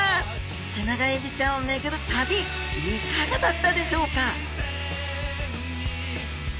テナガエビちゃんを巡る旅いかがだったでしょうか？